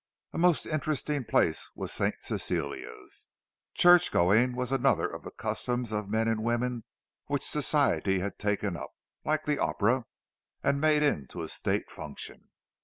A most interesting place was St. Cecilia's. Church going was another of the customs of men and women which Society had taken up, like the Opera, and made into a state function.